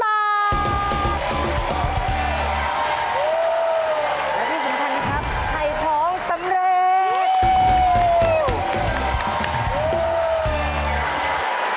แล้วที่สำคัญครับไข่ผองสำเร็จ